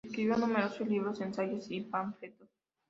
Escribió numerosos libros, ensayos y panfletos.